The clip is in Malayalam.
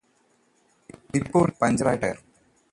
അപ്പോൾ ഈ പഞ്ചറായ ടയര്